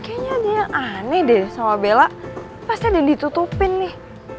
kayaknya dia aneh deh sama bella pasti ada yang ditutupin nih